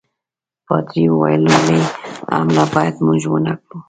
پادري وویل لومړی حمله باید موږ ونه کړو.